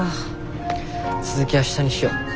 続き明日にしよ。